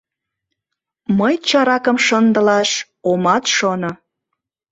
— Мый чаракым шындылаш омат шоно.